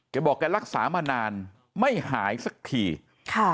บอกแกรักษามานานไม่หายสักทีค่ะ